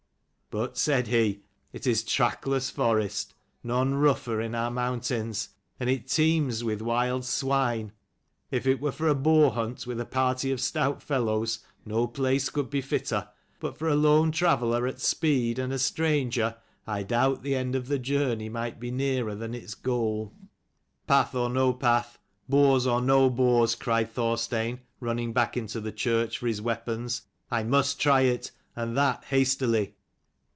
" But," said he, " it is trackless forest : none rougher in our mountains. And it teems with wild swine. If it were for a boar hunt with a party of stout fellows, no place could be fitter. But for a lone traveller, at speed, and a stranger, I doubt the end of the journey might be nearer than its goal." 285 " Path or no path, boars or bears," cried Thorstein running back into the church for his weapons, " I must try it and that hastily."